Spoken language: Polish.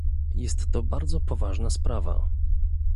Jest to bardzo poważna sprawa